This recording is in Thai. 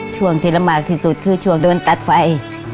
ช่วงที่ลำบากที่สุดคือช่วงโดนตัดไฟ